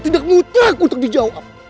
tidak mutlak untuk dijawab